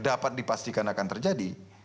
dapat dipastikan akan terjadi